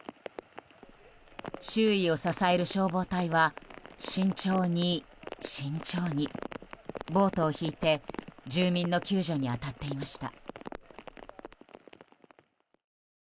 周囲を支える消防隊は慎重に、慎重にボートを引いて住民の救助に当たっていました。